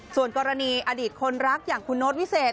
ส่วนกรณีอดีตคนรักอย่างคุณโน้ตวิเศษ